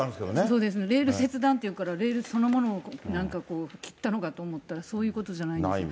そうですね、レール切断って言うから、レールそのものをなんかこう、切ったのかと思ったら、そういうことじゃないんですね。